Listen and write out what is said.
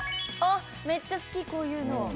あっめっちゃ好きこういうの。